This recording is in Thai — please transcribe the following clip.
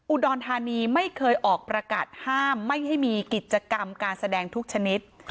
อุดรธานีไม่เคยออกประกาศห้ามไม่ให้มีกิจกรรมการแสดงทุกชนิด